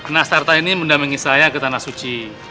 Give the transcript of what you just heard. nasrarta ini mendamengi saya ke tanah suci